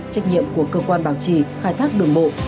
trách nhiệm của cơ quan bảo trì khai thác đường bộ